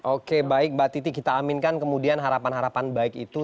oke baik mbak titi kita aminkan kemudian harapan harapan baik itu